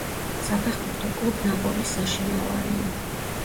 საფეხბურთო კლუბ „ნაპოლის“ საშინაო არენა.